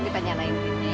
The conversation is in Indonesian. kita nyalain dirinya ya